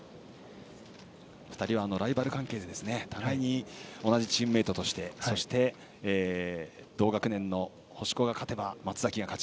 ２人はライバル関係で互いに同じチームメートとしてそして、同学年の星子が勝てば松崎が勝ち